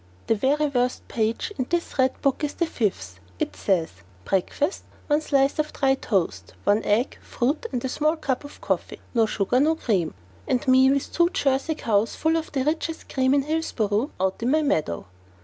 The very worst page in this red book is the fifth. It says "Breakfast one slice of dry toast, one egg, fruit and a small cup of coffee, no sugar, no cream." And me with two Jersey cows full of the richest cream in Hillsboro, out in my meadow!